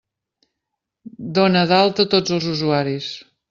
Dona d'alta tots els usuaris!